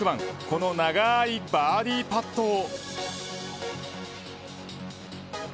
この長いバーディーパットを。